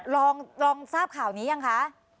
ลองทราบข่าวนี้ยังคะ